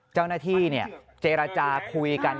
เจ้าหน้าที่เจรจาคุยกัน